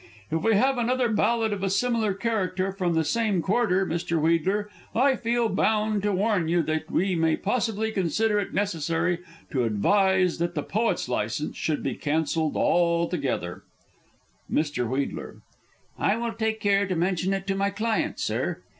If we have another Ballad of a similar character from the same quarter, Mr. Wheedler, I feel bound to warn you that we may possibly consider it necessary to advise that the poet's licence should be cancelled altogether. Mr. W. I will take care to mention it to my client, Sir.